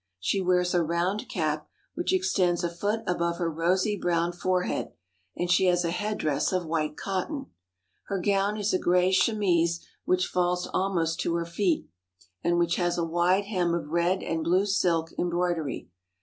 She wears a round cap which extends a foot above her rosy brown forehead, and she has a headdress of white cotton. Her gown is a gray chemise which falls almost to her feet, and which has a wide hem of red and blue silk embroid ery.